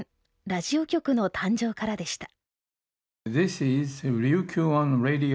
ラジオ局の誕生からでした。